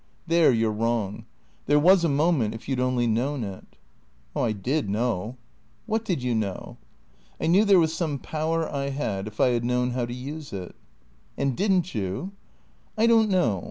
" There you 're wrong. There was a moment — if you 'd only known it." " I did know." "What did you know?" " I knew there was some power I had, if I had known how to use it." " And did n't you ?"" I don't know.